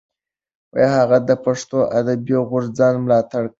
هغه د پښتو ادبي غورځنګ ملاتړ کړی.